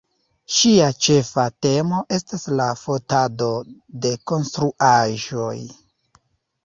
Ŝia ĉefa temo estas la fotado de konstruaĵoj.